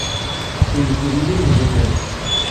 Se distribuye mundialmente.